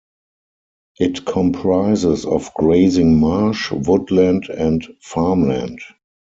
It comprises of grazing marsh, woodland and farmland.